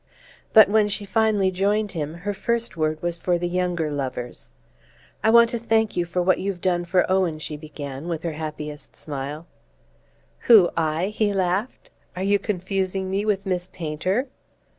But when she finally joined him her first word was for the younger lovers. "I want to thank you for what you've done for Owen," she began, with her happiest smile. "Who I?" he laughed. "Are you confusing me with Miss Painter?"